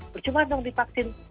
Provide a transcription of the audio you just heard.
percuma dong dipaksin